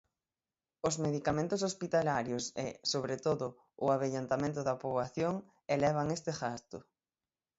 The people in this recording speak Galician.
Os medicamentos hospitalarios e, sobre todo, o avellentamento da poboación elevan este gasto.